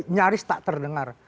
nyaris tak terdengar